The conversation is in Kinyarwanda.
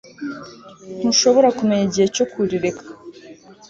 Ntushobora kumenya igihe cyo kurireka